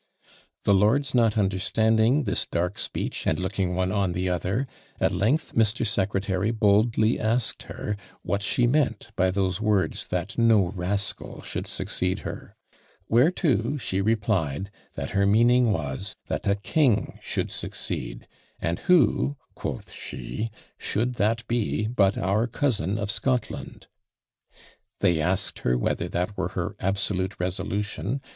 _ "The lords not understanding this dark speech, and looking one on the other; at length Mr. Secretary boldly asked her what she meant by those words, that no rascal should succeed her. Whereto she replied, that her meaning was, that a king should succeed: and who, quoth she, should, that be but our cousin of Scotland? "They asked her whether that were her absolute resolution?